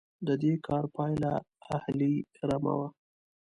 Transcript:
د دې کار پایله اهلي رمه وه.